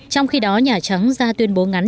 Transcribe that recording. trong khi đó nhà trắng ra tuyên bố ngắn